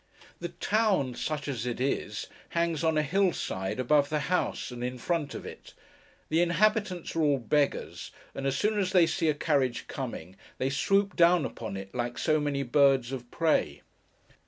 The town, such as it is, hangs on a hill side above the house, and in front of it. The inhabitants are all beggars; and as soon as they see a carriage coming, they swoop down upon it, like so many birds of prey.